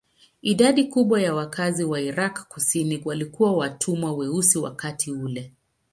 Idadi kubwa ya wakazi wa Irak kusini walikuwa watumwa weusi wakati ule.